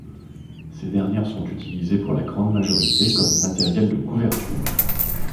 Ces dernières sont utilisées pour la grande majorité comme matériel de couverture.